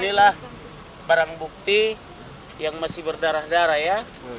jadi inilah barang bukti yang masih berdarah darah ya